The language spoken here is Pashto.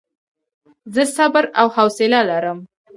زه صبر او حوصله لرم.